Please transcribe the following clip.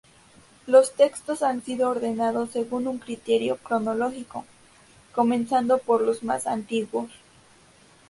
Los textos han sido ordenados según un criterio cronológico, comenzando por los más antiguos.